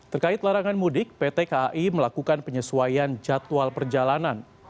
terkait larangan mudik pt kai melakukan penyesuaian jadwal perjalanan